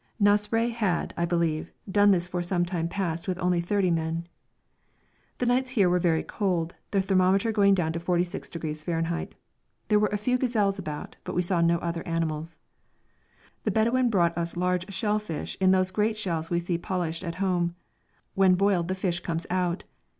Nasrai had, I believe, done this for some time past with only thirty men. The nights here were very cold, the thermometer going down to 46° F. There were a few gazelles about, but we saw no other animals. The Bedouin brought us large shell fish in those great shells we see polished at home. When boiled the fish comes out.